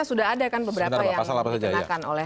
sudah ada kan beberapa yang dikenakan oleh